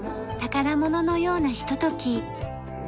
宝物のようなひととき。